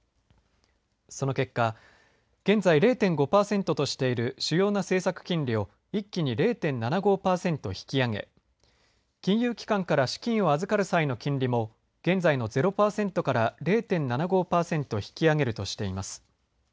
その結果、現在０．５パーセントとしている主要な政策金利を一気に０．７５パーセント引き上げ金融機関から資金を預かる際の金利も現在の０パーセントから０．７５パーセント引き上げるとしています。